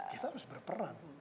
kita harus berperan